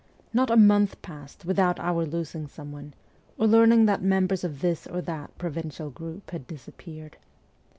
Not a month passed without oar losing someone, or learning that members of this or that pro vincial group had disappeared.